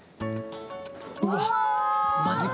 うわっマジか！